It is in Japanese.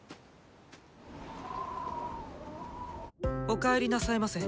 ・おかえりなさいませ